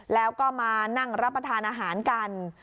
แล้วก็มานั่งรับประทานอาหารกัน